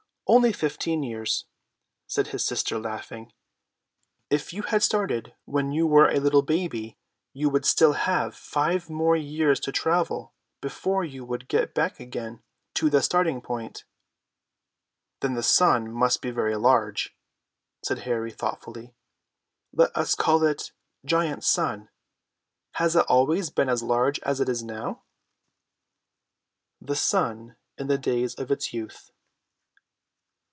"Only fifteen years," said his sister, laughing. "If you had started when you were a little baby you would still have five more years to travel before you would get back again to the starting point." "Then the sun must be very large," said Harry thoughtfully. "Let us call it GIANT SUN. Has it always been as large as it is now?" THE SUN IN THE DAYS OF ITS YOUTH.